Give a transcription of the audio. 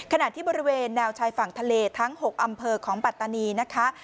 ขณะที่บริเวณแนวชายฝั่งทะเลทั้ง๖อำเภอของปัตตานีนะคะ